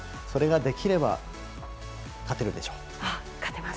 それができれば勝てるでしょう。